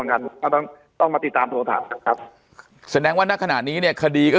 กันต้องมาติดตามโทรธาตุครับแสดงว่าณขนาดนี้เนี่ยคดีก็